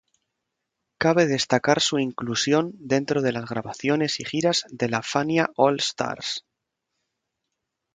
Cabe destacar su inclusión dentro de las grabaciones y giras de la Fania All-Stars.